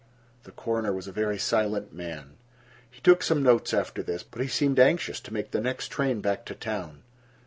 The coroner was a very silent man: he took some notes after this, but he seemed anxious to make the next train back to town.